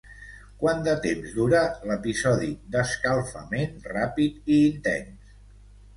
Quant de temps durà l'episodi d'escalfament ràpid i intens?